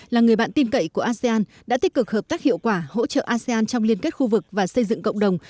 là người bạn tin cậy của asean đã tích cực hợp tác hiệu quả hỗ trợ asean trong liên kết khu vực và xây dựng cộng đồng